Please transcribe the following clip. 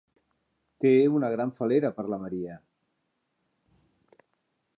Té una gran fal·lera per la Maria.